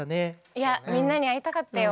いやみんなに会いたかったよ